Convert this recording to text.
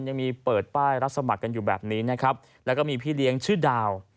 ยังมีเปิดป้ายรับสมัครกันอยู่แบบนี้นะครับแล้วก็มีพี่เลี้ยงชื่อดาว